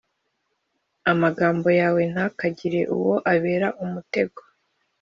amagambo yawe ntakagire uwo abera umutego,